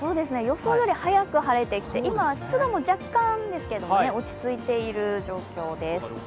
予想より早く晴れてきて今は湿度も若干落ち着いている状況です。